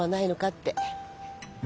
って。